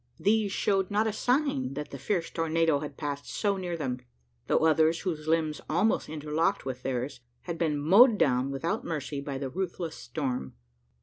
These showed not a sign that the fierce tornado had passed so near them; though others, whose limbs almost interlocked with theirs, had been mowed down without mercy by the ruthless storm.